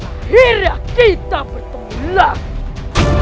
akhirnya kita bertemu lagi